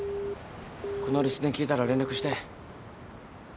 この留守電聞いたら連絡して。